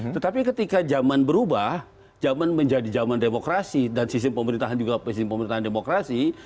tetapi ketika zaman berubah zaman menjadi zaman demokrasi dan sistem pemerintahan juga sistem pemerintahan demokrasi